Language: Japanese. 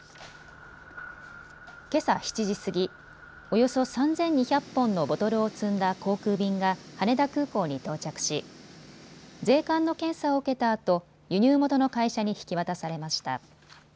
けさ７時過ぎ、およそ３２００本のボトルを積んだ航空便が羽田空港に到着し税関の検査を受けたあと輸入元の会社に引き渡されました。